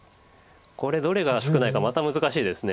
これどれが少ないかまた難しいです。